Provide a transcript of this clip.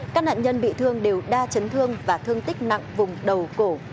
các nạn nhân bị thương đều đa chấn thương và thương tích nặng vùng đầu cổ